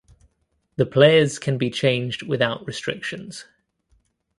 The players can be changed without restrictions.